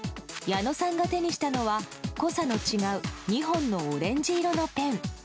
矢野さんが手にしたのは濃さの違う２本のオレンジ色のペン。